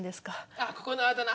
あっここのあだ名？